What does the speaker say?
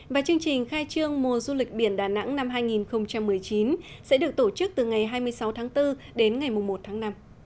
và chương trình khai trương mùa du lịch biển đà nẵng năm hai nghìn một mươi chín sẽ được tổ chức từ ngày hai mươi sáu tháng bốn đến ngày một tháng năm